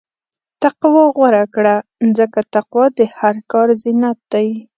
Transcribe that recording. تقوی غوره کړه، ځکه تقوی د هر کار زینت دی.